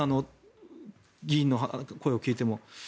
議員の声を聞いても。